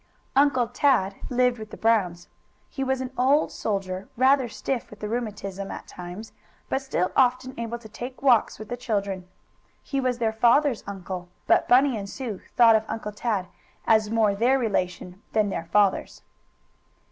Uncle Tad lived with the Browns. He was an old soldier, rather stiff with the rheumatism at times, but still often able to take walks with the children. He was their father's uncle, but Bunny and Sue thought of Uncle Tad as more their relation than their father's.